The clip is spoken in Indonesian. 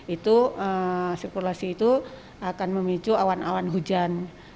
itu sirkulasi itu akan memicu awan awan hujan